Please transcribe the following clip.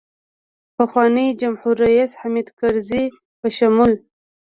پخواني جمهورریس حامدکرزي په شمول.